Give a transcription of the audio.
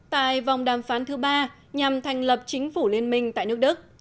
tại vòng đàm phán thứ ba nhằm thành lập chính phủ liên minh tại nước đức